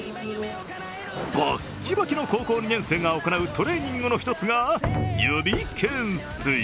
バッキバキの高校２年生が行うトレーニングの一つが指懸垂。